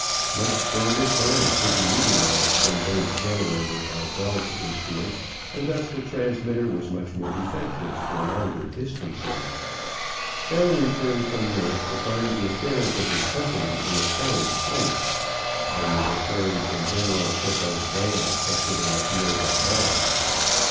Much stronger currents could be utilized than those generated by Bell's instrument, and thus the transmitter was much more effective for longer distances. Bell returned from Europe to find the affairs of his company in a sorry plight. Only the courage and generalship of Vail kept it in the field at all.